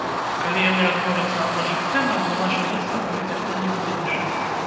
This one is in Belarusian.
Калі яны адмовяцца ад нашых цэнаў, на наша месца прыйдзе хто-небудзь іншы.